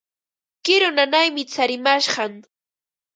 Kiru nanaymi tsarimashqan.